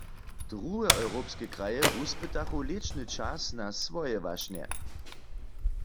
Druhe europske kraje wuspytachu lěćny čas na swoje wašnje.